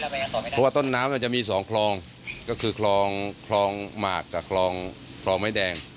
เพราะว่าต้นน้ำจะมี๒คลองก็คือคลองหมากกับคลองไม้แดง